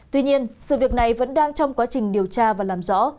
tuy nhiên sự việc này vẫn đang trong quá trình điều tra và làm rõ